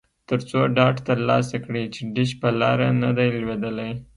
ترڅو ډاډ ترلاسه کړي چې ډیش په لاره نه دی لویدلی